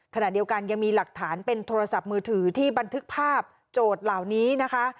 ขณะเดียวกันยังมีหลักฐานเป็นโทรศัพท์มือถือที่บันทึกภาพโจทย์เหล่านี้นะคะ